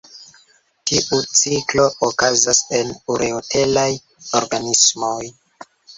Tiu ciklo okazas en ureotelaj organismoj.